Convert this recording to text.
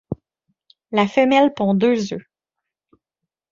La femelle pond deux œufs.